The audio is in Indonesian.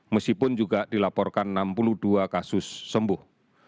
meskipun juga dilaporkan enam puluh dua kasus sembuh